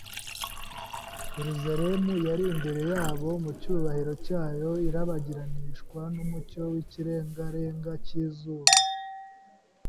Yerusalemu yari imbere yabo mu cyubahiro cyayo irabagiranishwa n'umucyo w'ikirengarenga cy'izuba